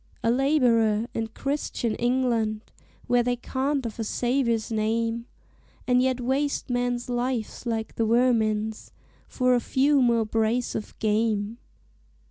"A laborer in Christian England, Where they cant of a Saviour's name, And yet waste men's lives like the vermin's For a few more brace of game.